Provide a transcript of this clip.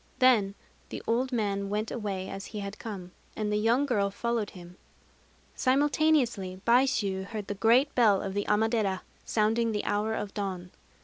Then the old man went away as he had come; and the young girl followed him. Simultaneously Baishû heard the great bell of the Amadera sounding the hour of dawn.